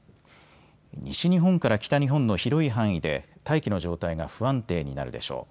西日本から北日本の広い範囲で大気の状態が不安定になるでしょう。